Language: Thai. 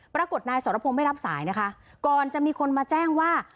ปรากฏนายสรพงศ์ไม่รับสายนะคะก่อนจะมีคนมาแจ้งว่า